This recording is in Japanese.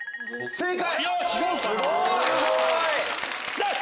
正解！